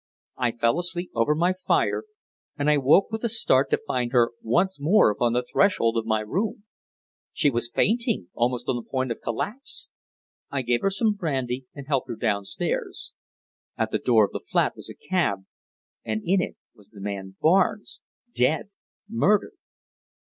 I fell asleep over my fire, and I woke with a start to find her once more upon the threshold of my room. She was fainting almost on the point of collapse! I gave her some brandy and helped her downstairs. At the door of the flat was a cab, and in it was the man Barnes, dead murdered!"